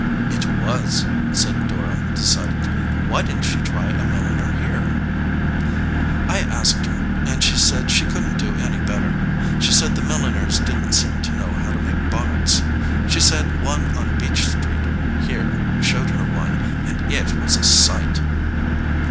"It was," said Dora decidedly. "Why didn t she try a milliner here?" "I asked her, and she said she couldn t do any better. She said the milliners didn t seem to know how to make bonnets. She said one on Beach Street here showed her one, and it was a sight."